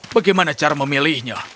bagaimana cara memilihnya